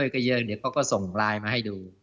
ก็เยอะเดี๋ยวเขาก็ส่งไลน์มาให้ดู